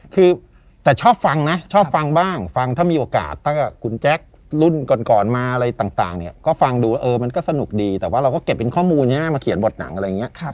คือแต่ชอบฟังนะชอบฟังบ้างฟังถ้ามีโอกาสถ้าคุณแจ๊ครุ่นก่อนมาอะไรต่างเนี่ยก็ฟังดูเออมันก็สนุกดีแต่ว่าเราก็เก็บเป็นข้อมูลใช่ไหมมาเขียนบทหนังอะไรอย่างนี้